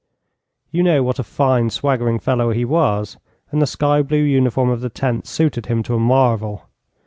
You know what a fine, swaggering fellow he was, and the sky blue uniform of the Tenth suited him to a marvel.